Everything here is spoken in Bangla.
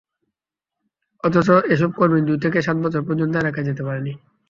অথচ এসব কর্মী দুই থেকে সাত বছর পর্যন্ত এলাকায় যেতে পারেনি।